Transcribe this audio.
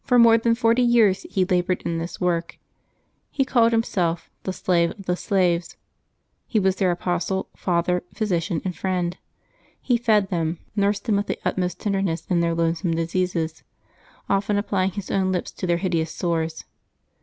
For more than forty years he labored in this work. He called himself "the slave of the slaves." He was their apostle, father, physician, and friend. He fed them, nursed them with the utmost tenderness in their loathsome diseases, often applying his own lips to their hideous sores.